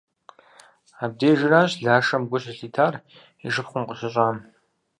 Абдежыращ Лашэм гу щылъитар и шыпхъум къыщыщӏам.